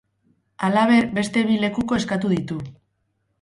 Halaber, beste bi lekuko eskatu ditu.